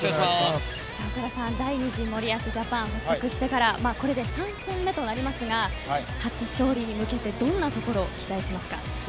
岡田さん、第２次森保ジャパン発足してからこれで３戦目となりますが初勝利に向けてどんなところを期待しますか？